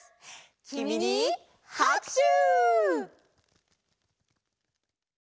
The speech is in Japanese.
「キミにはくしゅ！」。